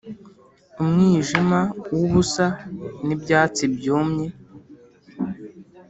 umwijima wubusa n'ibyatsi byumye